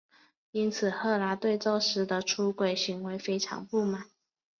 因此赫拉对宙斯的出轨行为非常不满。